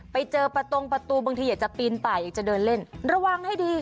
ไปเจอประตงประตูบางทีอยากจะปีนป่าอยากจะเดินเล่นระวังให้ดี